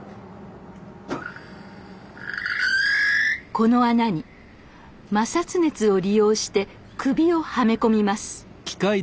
この穴に摩擦熱を利用して首をはめ込みます